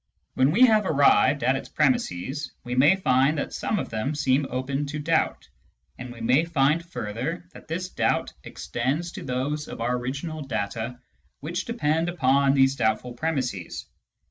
When we have arrived at its premisses, we may find that some of them seem open to doubt, and we may find further that this doubt extends to those of our original data which depend upon these doubtfiJ premisses.